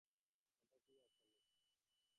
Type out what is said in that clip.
ওটা কী ছিল আসলে?